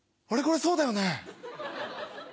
これそうだよね。